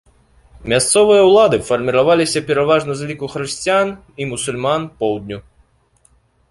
Мясцовыя ўлады фарміраваліся пераважна з ліку хрысціян і мусульман поўдню.